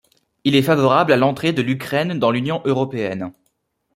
Il est favorable à l'entrée de l'Ukraine dans l'Union européenne.